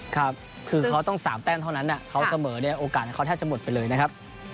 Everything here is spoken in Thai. คือนี่ต้อง๓แต่งเท่านั้นเขาเสมอเนี่ยโอกาสค่อนข้างจะหมดไปเลยนะครับ